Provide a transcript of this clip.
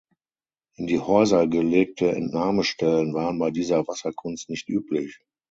In die Häuser gelegte Entnahmestellen waren bei dieser Wasserkunst nicht üblich.